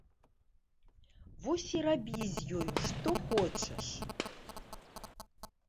Вось і рабі з ёй, што хочаш!